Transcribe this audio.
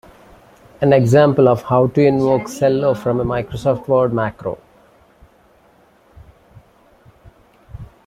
An example of how to invoke Cello from a Microsoft Word macro.